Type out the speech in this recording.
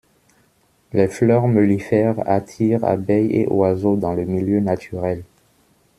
Les fleurs mellifères attirent abeilles et oiseaux dans le milieu naturel.